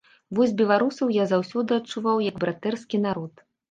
Вось беларусаў я заўсёды адчуваў як братэрскі народ.